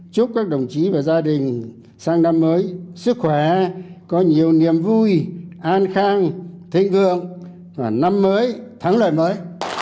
chúc các đồng chí và gia đình sang năm mới sức khỏe có nhiều niềm vui an khang thịnh vượng và năm mới thắng lợi mới